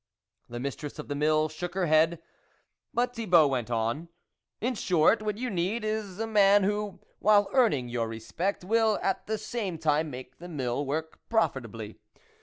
The mistress of the Mill shook her her head ; but Thibault went on ;" In short, what you need, is a man who while earning your respect, will, at the same time make the Mill work profit ably.